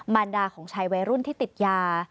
รดาของชายวัยรุ่นที่ติดยา